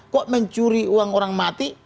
kok mencuri uang orang mati